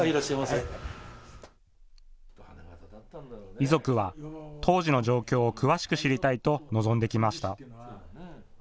遺族は当時の状況を詳しく知りたいと望んできました。